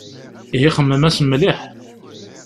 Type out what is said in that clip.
Ihi xemmem-as mliḥ.